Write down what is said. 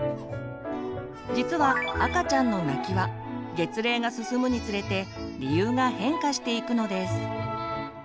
実は赤ちゃんの泣きは月齢が進むにつれて理由が変化していくのです。